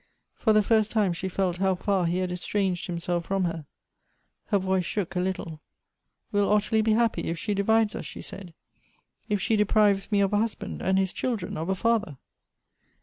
For the first time she felt how far he had estranged himself from her. Her voice shook a little —" "Will Ottilie be happy if she divides us? " she said. " If she deprives me of a husband, and his chil dren of a father